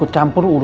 untuk ambil foto